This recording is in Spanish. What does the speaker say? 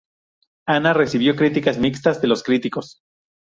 Anna recibió críticas mixtas de los críticos.